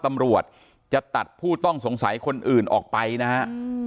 ตำรวจจะตัดผู้ต้องสงสัยคนอื่นออกไปนะฮะ